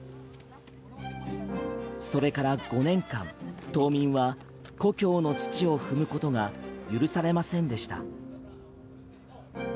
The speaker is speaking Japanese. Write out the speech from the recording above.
それから５年間島民は故郷の土を踏むことが許されませんでした。